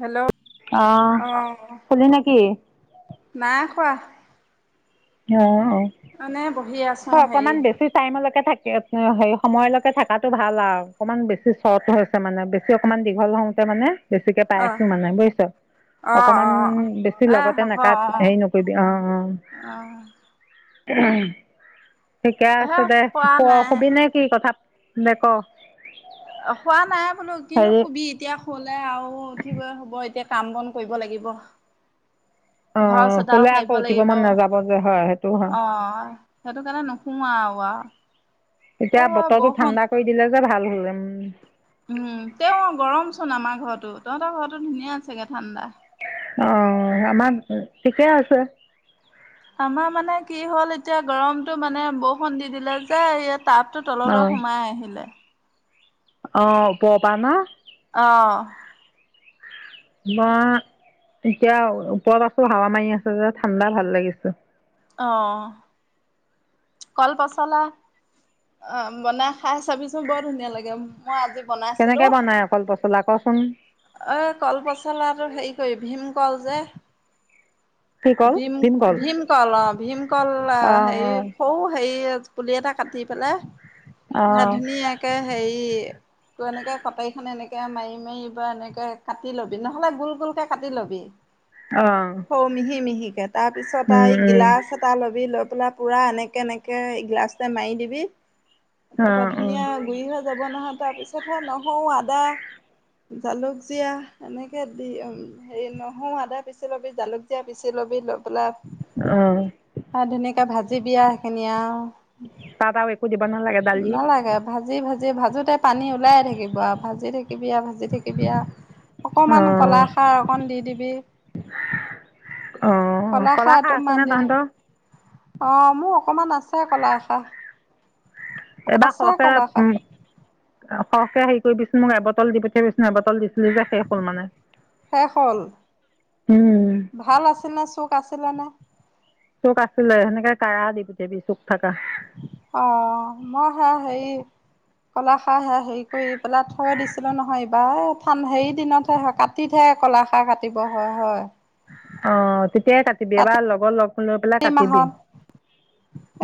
Hello অ', অহ খুলি নেকি? নাই কোৱা? অ'হ আছো অ, হেৰি অকণমান বেছি টাইমলৈকে থাকি হেৰি সময়লৈকে থকাটো ভাল আৰু অকণমান বেছি চৰ্ট হৈছে, মানে বেছি অকণমান দীঘল হওঁতে মানে বেছিকে পাই অ আছো মানে বুজিছ, অ অকণমান অ বেছি এ লগতে হ'ব নাকাত অ হেৰি নকৰিবি অ, অ উম অ ঠিকে হে আছে দে, খোৱা তই নাই শুবিনে কি কথাত দে ক হোৱা নাই বোলো, কিন্তু হেৰি শোবি এতিয়া শুলে আৰু উঠিব হ'বই এতিয়া কাম -বন কৰিব লাগিব। ঘৰ অ', চোতাল শুলে আকৌ সাৰিব উঠিব লাগিব, মন নাযাব যে হয় সেইটো হয়। অ সেইটো কাৰণে নুশোৱাও আৰু কোৱা। এতিয়া বতৰতো ঠাণ্ডা কৰি দিলে যে। যে ভাল হ'ল উম। উম তেওঁ গৰম চোন আমাৰ ঘৰতো তহঁতৰ ঘৰৰতো ধুনীয়া আগে ঠাণ্ডা? অ আমাৰ ঠিকে আছে? আমাৰ মানে কি হ'ল এতিয়া গৰমতটো মানে বহুত। বৰষুণ দি দিলে যে ইয়াত টাবতো তললে অ সোমাই আহিলে? অ উপৰৰ পৰা ন। আহ। বা এতিয়া ওপৰত আছো হাৱা মাৰি আছো যে ঠাণ্ডা ভাল লাগিছে? আহ কল পচলা অ বনাই খাই চাবিচো বৰ ধুনীয়া লাগে। মই আজি বনাইছিলো কেনেকে বনাই কল পচলা কচোন? অ কলপচলাটো হেৰি কৰিবি ভীম। কল জে। কি কল? ভীম ভীমকল অ ভীমকল হেৰি? অ' সাৰিয়ে পুলি এটা কাটি পেলাই? সেই অ' ধুনীয়াকে হেৰি। তই এনেকে কটাৰী খনে এনেকে মাৰি মাৰি বা এনেকে কাটি ল'বি নহলে গোল গোল কে কাটি ল'বি। অ' অ' হ মিহি মিহি। তাৰপিছত আৰু উম এই উম গিলাচ এটা ল'বি ল'ম? পেলা পুৰা এনেক। কেনেকে গিলাছটা মাৰি দিবি? তাৰাপৰা অ' অ' ধুনীয়া গুৰি হৈ যাব নহয়? তাৰপিছতহে নহৰু আদা জালুক জীয়া এনেকে দি হে নহৰু আদা পিচি লবি জালুক জীয়া পিচি লবি লৈ পেলা? অ' অ ধুনিয়াকে ভাজি। য বিয়া ধনিয়া। তাত আৰু একো দিব নালাগে দালি নালাগে ভাজি ভাজি ভাজোতে পানী ওলাই থাকিব ভাজি থাকিবি ভাজি থাকিবি অকমান অ' কলাখাৰ অকন দি দিবি অ' কলা কলাখাৰ খাৰ তমান আছেনে দি দিবি? তহঁতৰ? অ মোক। অকণমান আছে কলাখাৰ? এইবাৰ আছে সৰকে কলাখাৰ উ। সহকে হেৰি কৰিবিচোন মোক এবটল দি পঠিয়াবিছোন এবটল দিছ? জাকে অকল মানে শেষ হ'ল উম। পছিলা নে। চুক আছিলে সেনেকে কাৰা দি পুঠাবি চুক। থকা। আহ মই আহে সেই? কলাখাৰ হেৰি কৰি পেলাই থৈ দিছিলো নহয় এইবাৰ এই হেৰি দিনতহে কাটিহে কলাখাৰ কাটিব হয় হয়। অ তেতিয়াই কাটিবি এবাৰ লগৰ লগ লৈ পেলাই এই কাটিবি মাহত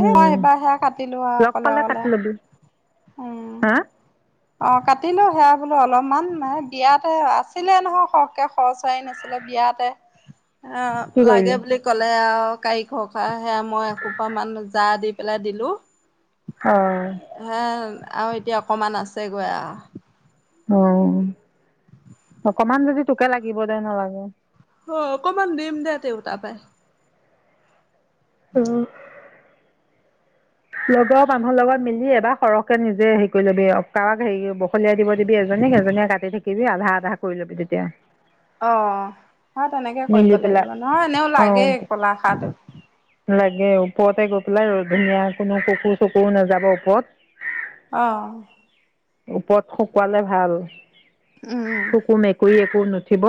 এ মই উম এইবাৰ সেয়া কাটিলো আৰু লগ অকলে পালে কাটি অকলে ল'বি উম হা অ কাটিলো সেয়া বোলো অলপমান বিয়াতে আছিলে নহয় সৰহকে খৰ চৰাৰী নাছিলে বিয়াতে অ কি লাগে কৰিলি বুলি কলে আৰু কাৰি খৰ খা সেয়া মই এসোপা মান জা দি পেলাই দিলো। অ হে, আৰু এতিয়া অকণমান আছে। তে গয়া অ অকমান যদি তোকে লাগিব দে নালাগে অ অকমান দিম দিয়াওঁ তাৰ পায়। অ লগৰ মানুহৰ লগত মিলি এবাৰ সৰহকে নিজে হেৰি কৰি ল'বি কাৰোবাক হেৰি বখলিয়াই দিব দিবি এজনীক এজনীয়ে কাটি থাকিবি আধা আধা কৰি লবি তেতিয়া অ হয় তেনেকে মিলি কৰিব পেলাই লাগিব নহয় এনেও অ লাগেই কলাখাৰটো লাগে ওপৰতে গৈ পেলাই ধুনীয়া কোনো কুকুৰ চুকুৰ নাযাব ওপৰত আহ ওপৰত শুকুৱালে ভাল উম শুকুৰ মেকুৰী এক কুকুৰ নোথিব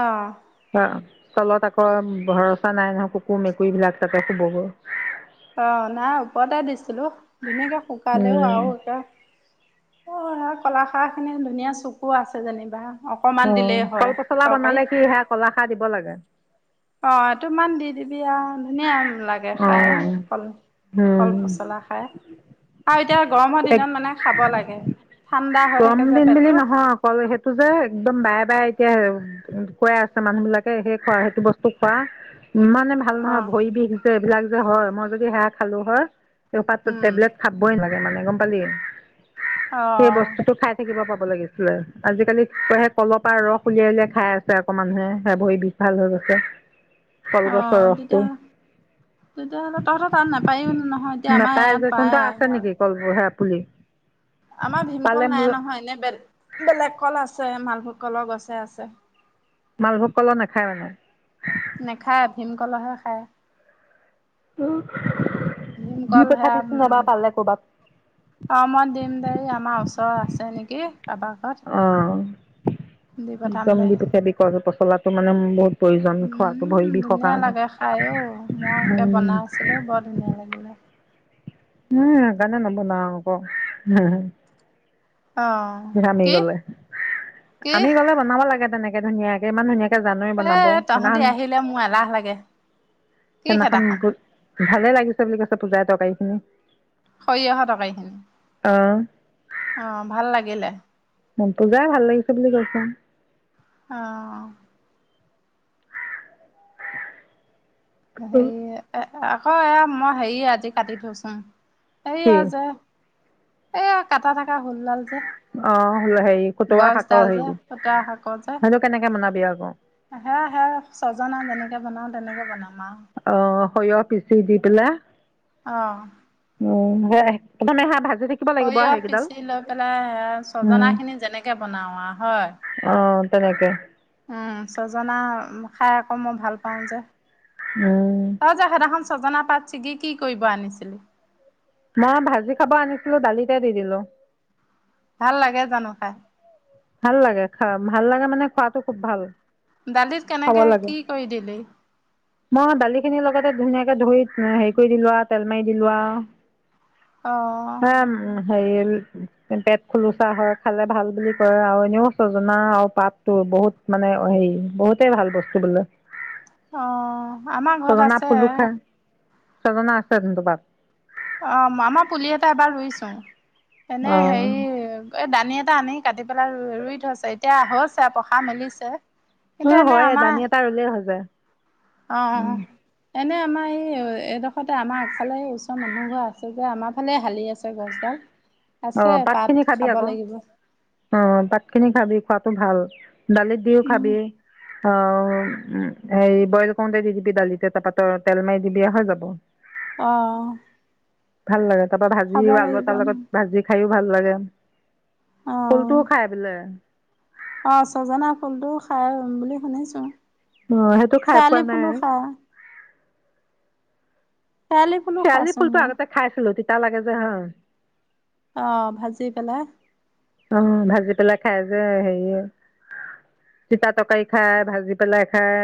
অ তলত আকৌ ভৰচা নাই নহয় কুকুৰ মেকুৰী বিলাক তাতে শুব গৈ অ নাই ওপৰতে দিছো ছিলো ধুনীয়াকে শুকালেও আৰু এে অ সাৰ কলাখাৰ খিনি ধুনীয়া চকু আছে যেনিবা অকমান অ দিলেই হয়। কল পচলা বনালে তৰকাৰীত কি সে কলাখাৰ দিব লাগে অ তোমান দি দিবি আহ ধুনীয়া লাগে খাই অঁ কল কল পচলা খাই আৰু এতিয়া গৰমৰ এক দিনত মানে খাব লাগে ঠাণ্ডা হৈ গৰম থাকে যে দিন বুলি পেটটো নহয় কুৱাই আছে মানুহবিলাকে সেই খোৱা সেতি বস্তু খোৱা ইমানেই মানে ভাল নহয় ভৰি বিষ এইবিলাক যে হয় মই যদি সেয়া খালো হয়। পাত্ৰ উম টেবলেট খাবই নে মানে গম পালি সেই অ', বস্তুতটো খাই থাকিব পাব লাগিছিলে আজিকালি কয় সেই কলপ আৰু ৰস উলিয়াই উলিয়াই খাই আছে আকৌ মানুহে সে ভৰি বিষ, ভাল হৈ গৈছে। কলগছৰ অ', তেতিয়া ৰসটো তেতিয়াহ'লে তহত‌ তাত নাপায়ও নহয় এতিয়া আমাৰ নাপায় যে ইয়াত তহঁতৰ পায় আছে আৰু নেকি কল সেয়া পুলি আমাৰ ভীমকল পালে নাই মোলৈ নহয় এনে বেলে বেলেগ কল আছে মাল কলৰ গছে আছে মালভোগ কলৰ নাখায় মানে নেখায় ভীমকলৰহে খায় । দি ভীমকল হেয়া পঠাবিচোন এবাৰ পালে ক'ৰবাত অ মই দিম দে আমাৰ ওচৰত আছে আছে নেকি আপা ঘৰত অঁ দি পঠাম একদম দে। দি পিঠাবি কলৰ পছলা ত মানে বহুত প্ৰয়োজন খোৱাটো ভৰি উম বিষৰ ধুনীয়া কাৰণে লাগে খাইঅ মই একে বনাই আছিলো বৰ ধুনীয়া লাগিলে উম সেই কাৰণে ল'ব নোৱাৰো ক অ', আমি কি গলে কি আমি গলে বনাব লাগে তেনেকে ধুনীয়াকে ইমান ধুনীয়াকে জানোৱেই এ বনাব তহঁতি সেইদিনাখন আহিলে মোৰ এলাহ লাগে। কি সেইদিনাখন খেদাখন ভালে লাগিছে বুলি কৈছে জা তৰকাৰীখিনি সৰিয়হৰ তৰকাৰি খিনি অ ভাল লাগিলে মনটো যায় ভাল লাগিছে বুলি কৈছে আহ [inaudible] সেইযে আকৌ এ মই হেৰি আজি কাটি থৈচোন এ কি আজে এ কাটা থকা হোললাল যে অ হেৰি খুতুৰা শাকৰ গছডাল যে হেৰি পুতা শাকত যে সেইটো কেনেকে বনাবি আকৌ সেয়া সে ছজনা যেনেকে বনাও তেনেকে বনাম আৰু অ সৰিয়হ পিচি দি পেলাই অ উ [inaudible] মানে হা ভাগ সৰিয়হ পিচি লৈ পেলাই উম ছজনা খিনি যেনেকে বনাও আৰু হয় অ তেনেকে উম চজনা খাই আকৌ মই ভাল পাওঁ যে উম সজনা পাতছেগি কি কৰিব আনিছিলি? মই ভাজি খাব আনিছিলোঁ দালিতে দি দিলোঁ। ভাল লাগে জানোঁ খাই। ভাল লাগে খা ভাল লাগে মানে খোৱাটো খুব ভাল। দালিত খাব কেনেকে লাগে কি কৰি দিলি। মই দালিখিনি লগতে ধুনীয়াকে ধৰি হেৰি কৰি দিলো আ তেল মাৰি দি আ। অহ হেৰি পেট খুলোচা হয় খালে ভাল বুলি কৰে আৰু এনেও চজনা আৰু পাতটো বহুত মানে হেৰি বহুতেই ভাল বস্তু বোলে। অ আমাৰ ঘৰত আছে। চজনা আছে চোন দুটাত। অ আমাৰ পুলি এটা এবাৰ ৰুইছোং। এনে অঁ হেৰি। দানি এটা আনি কাটি পেলাই ৰুই থৈছে এতিয়া হৈছে পসা মেলিছে। অ কিন্তু হয় দানি এটা ৰুলে হৈ যায়। অ অ অ এনে আমাৰ এই এডোখৰতে আমাৰ আগফালে ওচৰৰ মানুহঘৰ আছে যে আমাৰ ফালে হালি আছে গছডাল। অ আছে পাত খিনি খাবি খাব আকৌ লাগিব। অ। পাতখিনি খাবি খোৱাটো ভাল। দালিত দিওঁ উম, খাবি। অ হেৰি, বইল কৰোঁতে, দি দিবি দালিতে তাৰ পৰা তেল মাৰি দিবি হৈ যাব । অ! ভাল [inaudible] তাৰ পৰা খাব ভাজিও আলু লাগিব এটাৰ ন। লগত ভাজি খাইও ভাল লাগে অ ফুলটোও খাই বোলে অ ছজনা ফুলটো খাই বুলি শুনিছোঁ । অ সেইটো খাই পোৱা নাই । শেৱালি ফুলো শেৱালি খাইছো ফুলটো মই আগতে খাইছিলোঁ! তিতা লাগে যে অ ভাজি পেলাই অ ভাজি পেলাই খাই যে হেৰি তিতা তৰকাৰী খায়, ভাজি পেলাই খাই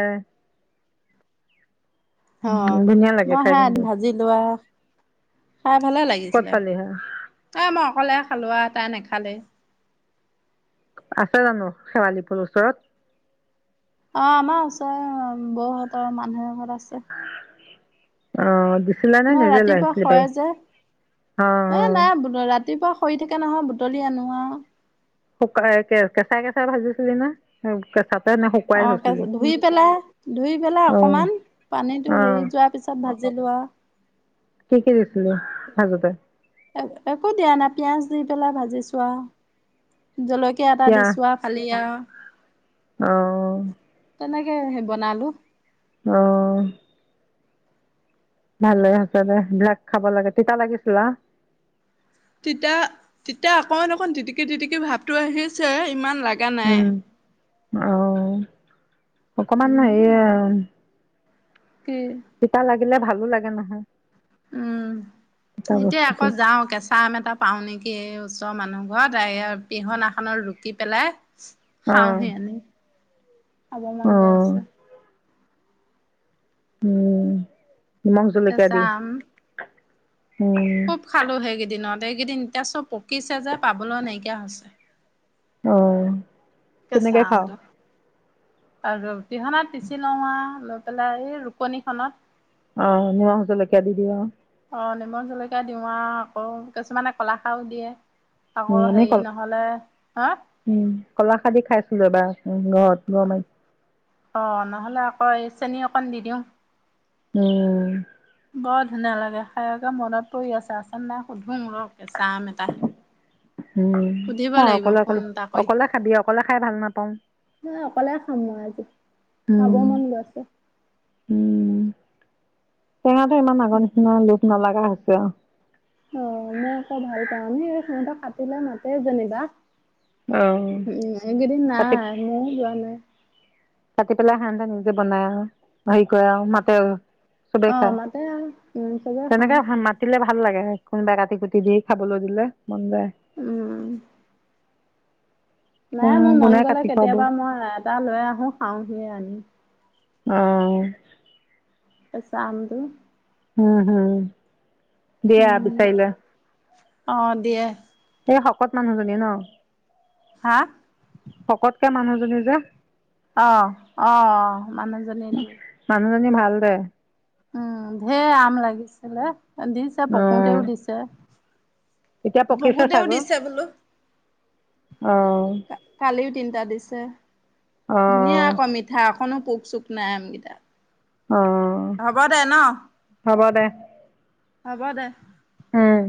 অ উম ধুনীয়া লাগে মই খাই কিন্তু ভাজি লোৱা, খাই ভালে ক'ত লাগিছিলে, পালি হা এই মই অকলে খালোঁ আৰু তাই নেখালে । আছে জানো শেৱালি ফুল ওচৰত । অ আমাৰ ওচৰে বৌহঁতৰ মানুহ এঘৰত আছে । অ! দিছিলা নে মই নিজে লৈ ৰাতিপুৱা আহিছিলি সৰে বাৰী যে, অ অ এ নাই ৰাতিপুৱা। সৰি থাকে নহয়, বুটলি আনো আও । শুকাই এতিয়া কেঁচাই কেঁচাই ভাজিছিলিনে কেঁচাত অ তাৰপিছত ধুই পেলাই ধুই পেলাই অ অকনমান পানীতো অ হেৰি যোৱাৰ পিছত ভাজিবি । ভাজি লোৱা [unintelligible] ভাজোতে একো দিয়া নাই, পিয়াঁজ দি পেলাই ভাজিচো আও । জলকীয়া এটা পিয়াঁজ দিছো আৰু খালি আৰু। অ তেনেকে । এয়াহে বনালো । অঁ! ভালে হৈছে দে বিৰাট খাব লাগে, তিতা লাগিছিলে? তিতা তিতা অকন অকন টিটিকি টিটিকি ভাৱটো আহিছে । ইমান লগা নাই! অঁ! অকমান ন? উম এঁ। কি! দিলে ভালো লাগে নহয় । উম এতিয়া বস্তুটো আকৌ যাও কেঁচা আম এটা পাও নেকি। কি ওচৰৰ মানুহ ঘৰত, পিহনাখনত ৰুকি পেলাই। অ খাও সি আনি। খাব মন অ গৈ আছে। উম। নিমখ জলকীয়া কেঁচা দি। আম। উম খুব খালো সেই কেইদিনত। এইকেইদিন এতিয়া চব পকিছে যে, পাবলৈ নাইকিয়া হৈছে। আহ। কচা আমটো। আৰু। দিহনাত পিচি লঙৱা অলপ [unintelligible] পেলাই এই ৰুপনি খনত অ, নিমখ জলকীয়া দি দি আউ। অ, নিমখ জলকীয়া দিওঁ আৰু আকৌ কিছুমানে কলাখাৰও দিয়ে। উ আকৌ এনেই হেৰি কল নহ'লে হা উম কলা খাৰ দি খাইছো। যাবা উ ঘৰত গৰ মাৰি অ নহলে আকৌ এই চেনী অকণ দি দিওঁ উম বৰ ধুনীয়া লাগে খায়কে মনত পৰি আছেনে নাই সুধো ৰ কেঁচা আম এটা উম সুধিব অ লাগিব অকলে ফোন অকলে এটা কৰি। অকলে খাবি অকলে খাই ভাল নাপাওঁ মই অকলে খাম মই আজি খাব উম মন গৈ ছে উম টেঙাটো ইমান আগৰ নিচিনা লোভ নলগা হৈছে আৰু অ মই আকৌ ভাল ক নে এই সানটো কাটিলে মাতে যেনিবা অ'। উম এইকেইদিন কাটি নাই মই ও যোৱা নাই কাটি পেলাই সানহা নিজে বনাই আহ হেৰি কৰে আৰু মাতে চবেই অ' খায় মাতে আৰু উম, চবে খাওঁ। তেনেকৈ মাতিলে ভাল ভাল লাগে কোনোবাই কাটি কুটি দি খাবলৈ দিলে মন যায় উম নাই অ', মোৰ কোনে মন গ'লে কাটি খুৱাব। কেতিয়াবা মই এটা লৈ আহো খাওঁহিয়ে আনি আহ কেঁচা আমটো উম হম দিয়া উম, বিচাৰি দিয়া অ দিয়ে এই শকত মানুহজনী ন হা শকতকে মানুহজনী যে আহ আহ মানুহজনীয়ে দিয়ে মানুহজনী ভাল দে উম ধেৰ আম লাগিছিলে দিছে অ', পকোতেও দিছে এতিয়া পকিছে পকোতেও চাগে দিছে বোলো। আহ চিন্তা দিছে ধুনীয়া আকৌ মিঠা এখনো প চুখ নাই আমকেইটা অ হ'ব দে ন? হ'ব দে হ'ব দে হম